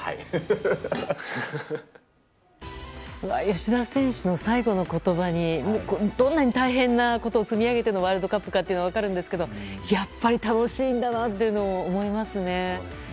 吉田選手の最後の言葉にどんなに大変なことを積み上げてのワールドカップかというのが分かるんですけどやっぱり楽しいんだなって思いますね。